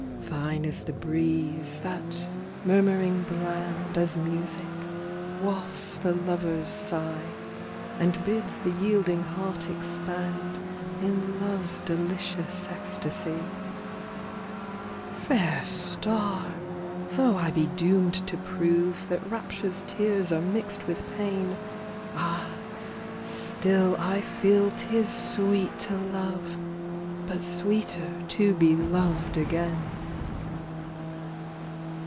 Thine is the breeze that, murmuring bland As music, wrafts the lover's sigh, And bids the yielding heart expand In love's delicious extasy. Fair Star ! tho' I be doom'd to prove That rapture's tears are mix'd with pain, Ah, still I feel 'tis sweet to love ! ŌĆö But sweeter to be lov'd again.